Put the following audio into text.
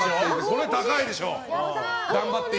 これは高いでしょう。